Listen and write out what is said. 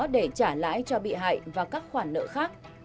để trả lãi cho bị hại và các khoản nợ khác